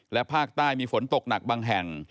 และภาคใต้มีฝนตกหนักบางแห่ง